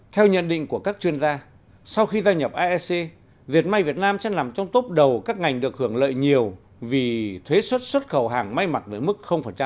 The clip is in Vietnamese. theo nhận định của các chuyên gia sau khi gia nhập aec dệt may việt nam sẽ làm trong tốp đầu các ngành được hưởng lợi nhiều vì thuế xuất xuất khẩu hàng may mặt với mức